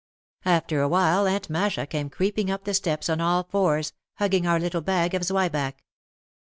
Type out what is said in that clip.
After a while Aunt Masha came creeping up the steps on all fours, hugging our little bag of zwieback.